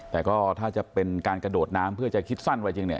แต่ก็ถ้าจะเป็นการกระโดดน้ำเพื่อจะคิดสั้นไว้จริงเนี่ย